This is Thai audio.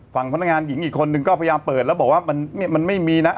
พนักงานหญิงอีกคนนึงก็พยายามเปิดแล้วบอกว่ามันไม่มีนะ